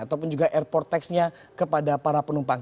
ataupun juga airport tax nya kepada para penumpang